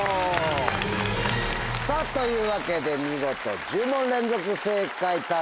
さぁというわけで見事１０問連続正解達成。